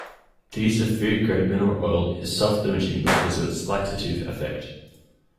The use of food grade mineral oil is self-limiting because of its laxative effect.